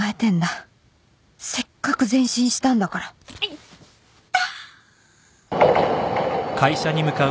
せっかく前進したんだからいった！